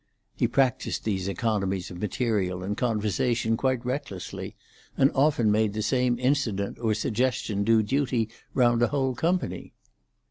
He practised these economies of material in conversation quite recklessly, and often made the same incident or suggestion do duty round a whole company.